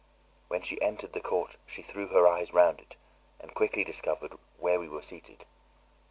When she entered the court she threw her eyes round it and quickly discovered where we were seated.